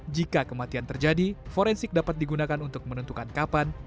jika kematian terjadi forensik dapat digunakan untuk menentukan kapan